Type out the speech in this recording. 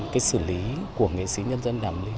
cái xử lý của nghệ sĩ nhân dân đàm liên